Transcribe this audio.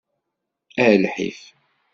A lḥif.